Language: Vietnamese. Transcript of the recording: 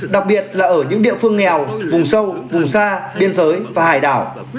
đặc biệt là ở những địa phương nghèo vùng sâu vùng xa biên giới và hải đảo